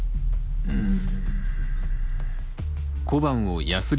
うん。